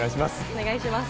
お願いします。